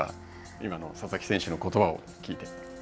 今の佐々木選手のことばを聞いて。